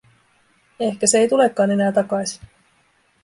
Ehkä se ei tulekaan enää takaisin.